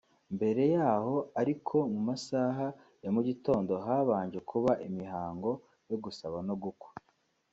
Mbere y'aho ariko mu masaha ya mu gitondo habanje kuba imihango yo gusaba no gukwa